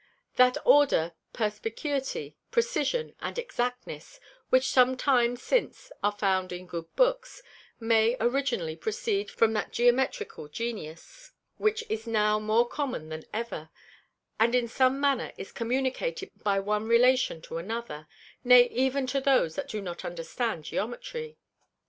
That Order, Perspicuity, Precision and Exactness, which some time since are found in good Books, may originally proceed from that Geometrical Genius, which is now more common than ever, and in some manner is communicated by one Relation to another, nay even to those that do not understand Geometry.